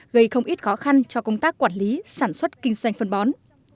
gây không ít khó khăn cho công tác quản lý sản xuất kinh doanh phân bón